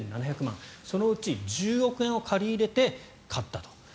そのうち１０億円を借り入れて買ったと。